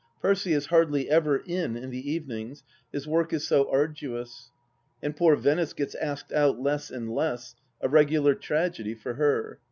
Percy is hardly ever in in the evenings, his work is so arduous. And poor Venice gets asked out less and less — a regular tragedy for her.